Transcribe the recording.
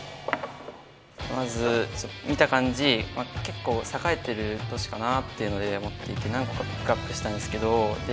まず見た感じ結構栄えてる都市かなっていうので思っていて何個かピックアップしたんですけどで